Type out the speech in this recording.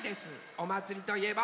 おまつりといえば！